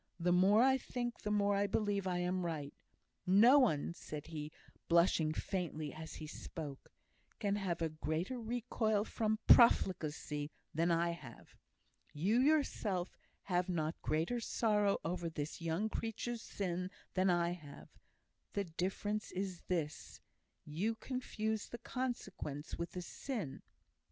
"The more I think, the more I believe I am right. No one," said he, blushing faintly as he spoke, "can have a greater recoil from profligacy than I have. You yourself have not greater sorrow over this young creature's sin than I have: the difference is this, you confuse the consequences with the sin."